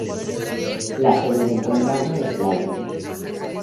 La sede del condado es Lyndon.